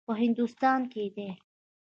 په هندوستان کې دی.